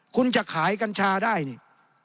คุณจะขายกัญชาได้นี่